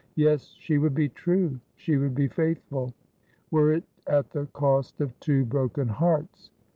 Yes, she would be true, she would be faithful : were it at the cost of two broken hearts.